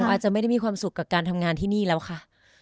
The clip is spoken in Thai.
อาจจะไม่ได้มีความสุขกับการทำงานที่นี่แล้วค่ะ